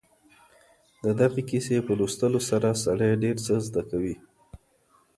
د دغې کیسې په لوستلو سره سړی ډېر څه زده کوي.